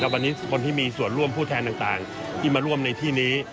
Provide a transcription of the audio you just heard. วันนี้คนที่มีส่วนร่วมผู้แทนต่างที่มาร่วมในที่นี้